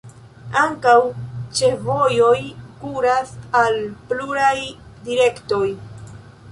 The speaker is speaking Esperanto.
Ankaŭ ĉefvojoj kuras al pluraj direktoj.